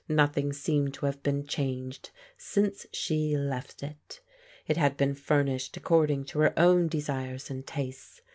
Nothing seemed to have been changed since she left it. It had been furnished accord ing to her own desires and tastes.